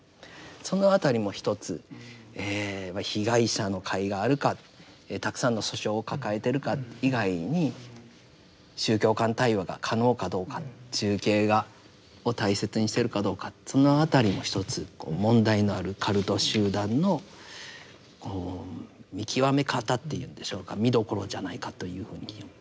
その辺りも一つ被害者の会があるかたくさんの訴訟を抱えてるか以外に宗教間対話が可能かどうか中景がを大切にしてるかどうかその辺りも一つ問題のあるカルト集団のこう見極め方っていうんでしょうか見どころじゃないかというふうに思います。